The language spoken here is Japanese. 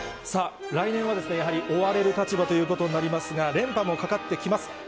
さあ、来年はやはり追われる立場ということになりますが、連覇もかかってきます。